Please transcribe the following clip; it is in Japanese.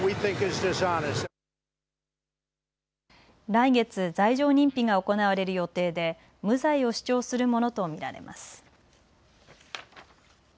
来月、罪状認否が行われる予定で無罪を主張するものと見られます。